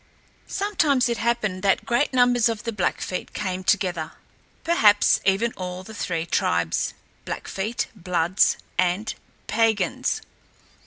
Sometimes it happened that great numbers of the Blackfeet came together, perhaps even all of the three tribes, Blackfeet, Bloods, and Piegans.